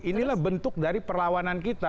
inilah bentuk dari perlawanan kita